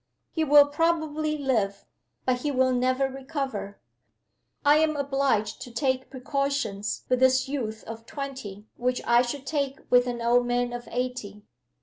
He will probably live, but he will never recover. I am obliged to take precautions with this youth of twenty which I should take with an old man of eighty.